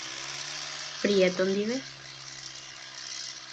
Prieto ndive.